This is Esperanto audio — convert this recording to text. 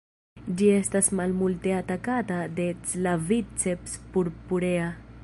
Ĝi estas malmulte atakata de "Claviceps purpurea".